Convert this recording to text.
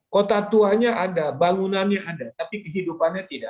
kota tuanya ada bangunannya ada tapi kehidupannya tidak